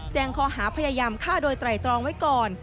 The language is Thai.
ข้อหาพยายามฆ่าโดยไตรตรองไว้ก่อน